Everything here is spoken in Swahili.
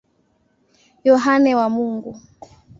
Yohane wa Mungu.